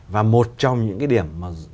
và một trong những điểm